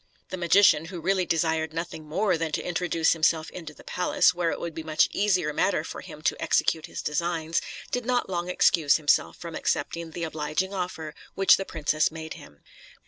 The magician, who really desired nothing more than to introduce himself into the palace, where it would be a much easier matter for him to execute his designs, did not long excuse himself from accepting the obliging offer which the princess made him.